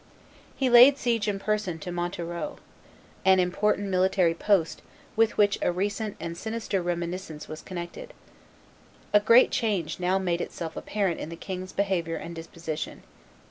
He laid siege in person to Montereau, an important military post with which a recent and sinister reminiscence was connected. A great change now made itself apparent in the king's behavior and disposition.